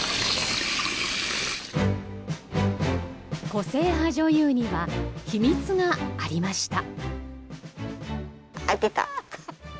個性派女優には秘密がありました。